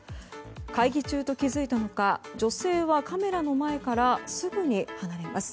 会議中と気づいたのか女性は、カメラの前からすぐに離れます。